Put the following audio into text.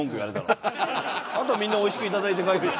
あとはみんなおいしくいただいて。